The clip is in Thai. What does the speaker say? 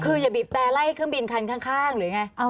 คืออย่าบีบแต่ไล่เครื่องบินคันข้างหรือไง